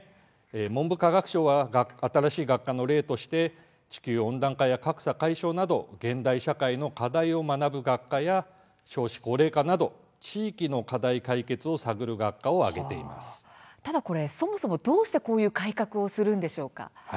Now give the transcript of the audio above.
文部科学省は新しい学科の例として地球温暖化や格差解消など現代社会の課題を学ぶ学科や少子高齢化など地域の課題解決をどうして、こういう改革をするんでしょうか。